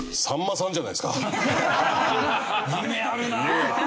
夢あるな！